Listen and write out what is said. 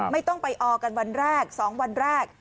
ไม่ต้องไปออกันวันแรก๒วันแรก